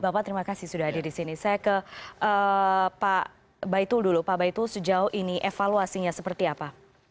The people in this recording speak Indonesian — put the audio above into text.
pak baitul sejauh ini evaluasinya seperti apa